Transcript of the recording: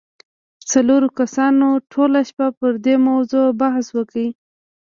څلورو کسانو ټوله شپه پر دې موضوع بحث وکړ.